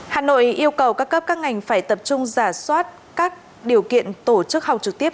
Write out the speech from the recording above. hà nội yêu cầu các cấp các ngành phải tập trung giả soát các điều kiện tổ chức học trực tiếp